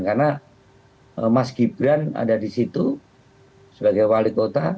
karena mas gibran ada di situ sebagai wali kota